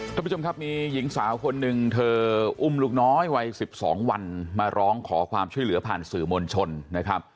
ท่านผู้ชมครับมีหญิงสาวคนหนึ่งเธออุ้มลูกน้อยวัย๑๒วันมาร้องขอความช่วยเหลือผ่านสื่อมวลชนนะครับ